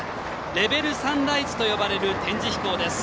レベルサンライズと呼ばれる展示飛行です。